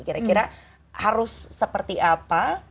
kira kira harus seperti apa